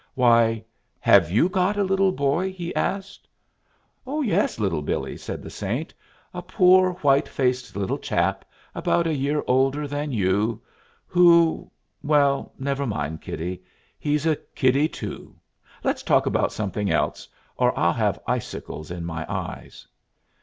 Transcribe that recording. "Why, have you got a little boy?" he asked. "Yes, Little Billee," said the saint. "A poor white faced little chap, about a year older than you, who well, never mind, kiddie he's a kiddie, too let's talk about something else, or I'll have icicles in my eyes."